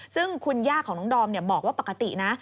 ซึ่งคุณย่าของน้องดอมบอกว่าปกตินะ